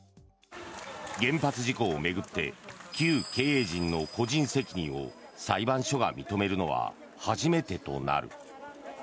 原発事故を巡って旧経営陣の個人責任を裁判所が認めるのは初めてとなる。